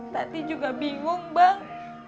tati juga bingung bang